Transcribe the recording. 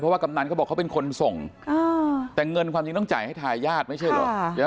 กำนันเขาบอกเขาเป็นคนส่งแต่เงินความจริงต้องจ่ายให้ทายาทไม่ใช่เหรอ